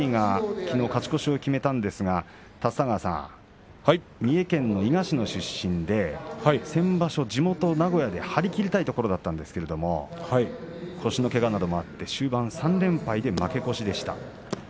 きのう勝ち越しを決めましたが三重県の伊賀市の出身先場所張り切りたいところだったんですが腰のけがなどもあって終盤３連敗で負け越しでした。